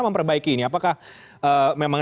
memperbaiki ini apakah memang